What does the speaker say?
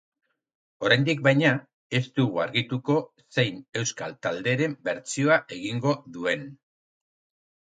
Oraindik, baina, ez dugu argituko zein euskal talderen bertsioa egingo duen.